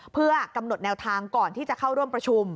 เพื่อกำหนดแนวทางก่อนที่จะเข้าร่วมประชุม